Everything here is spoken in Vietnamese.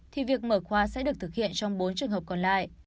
thì việc mở khóa sẽ được thực hiện trong bốn trường hợp còn lại